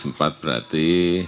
kelas empat berarti